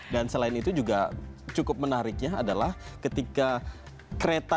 dan selain itu juga cukup menariknya adalah ketika kereta